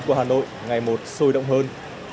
của hà nội ngày một sôi động hơn